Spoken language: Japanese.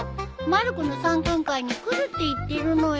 まる子の参観会に来るって言ってるのよ。